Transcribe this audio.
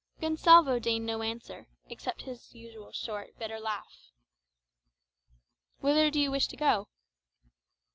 Gonsalvo deigned no answer, except his usual short, bitter laugh. "Whither do you wish to go?"